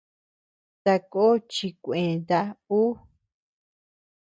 Takó chikueta ú.